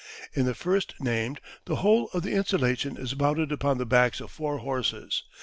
In the first named the whole of the installation is mounted upon the backs of four horses.